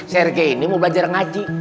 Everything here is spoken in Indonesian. sergei ini mau belajar mengaji